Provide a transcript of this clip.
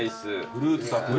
フルーツたっぷり。